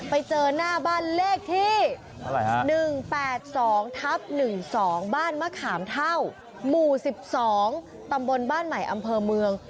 ไปเจอหน้าบ้านเลขที่๑๘๒ทับ๑๒บ้านมะขามเท่าหมู่๑๒ตำบลบ้านใหม่อำเภอเมือง